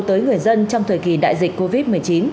tới người dân trong thời kỳ đại dịch covid một mươi chín